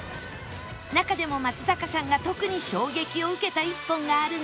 中でも松坂さんが特に衝撃を受けた一本があるんだそう